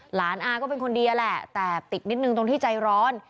อาก็เป็นคนดีแหละแต่ติดนิดนึงตรงที่ใจร้อน